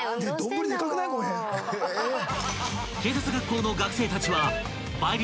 ［警察学校の学生たちは倍率